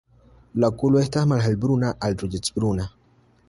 La okulo estas malhelbruna al ruĝecbruna.